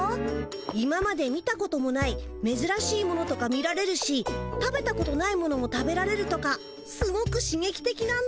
今まで見たこともないめずらしいものとか見られるし食べたことないものも食べられるとかすごくしげきてきなんだよね。